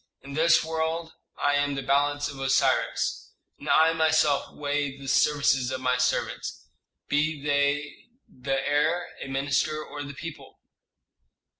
In this world I am the balance of Osiris, and I myself weigh the services of my servants, be they the heir, a minister, or the people.